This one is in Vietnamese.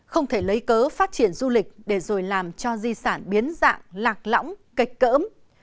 không thể lấy cớ phát triển du lịch để rồi làm cho di sản biến dạng lạc lõng kệch cỡm